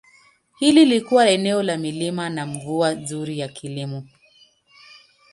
Hili lilikuwa eneo la milima na mvua nzuri kwa kilimo.